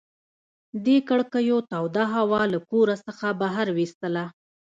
دې کړکیو توده هوا له کور څخه بهر ویستله.